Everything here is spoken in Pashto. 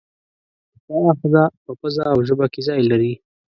دا آخذه په پزه او ژبه کې ځای لري.